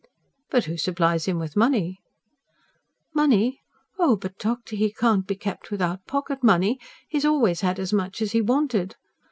"But who supplies him with money?" "Money? Oh, but doctor, he can't be kept without pocket money! He has always had as much as he wanted.